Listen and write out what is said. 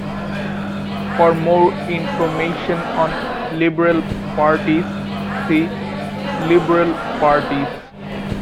For more information on liberal parties, see liberal parties.